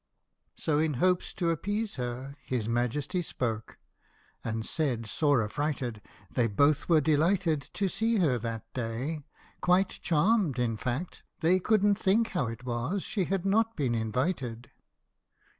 So in hopes to appease her His Majesty spoke, And said, sore affrighted, " They both were delighted To see her that day Quite charmed in fact, they Couldn't think how it was she had not been invited